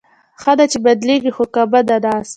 ښه ده، چې بدلېږي خو کعبه د ناز